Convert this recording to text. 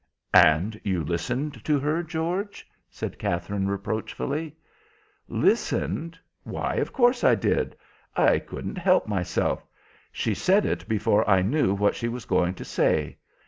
"And you listened to her, George?" said Katherine, reproachfully. "Listened? Why, of course I did. I couldn't help myself. She said it before I knew what she was going to say.